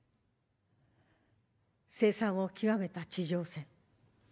凄惨を極めた地上戦。